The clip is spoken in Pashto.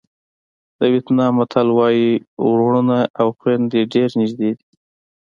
د وېتنام متل وایي وروڼه او خویندې ډېر نږدې دي.